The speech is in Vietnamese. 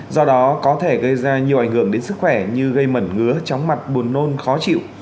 do đó có thể gây ra nhiều ảnh hưởng đến sức khỏe như gây mẩn ngứa chóng mặt buồn nôn khó chịu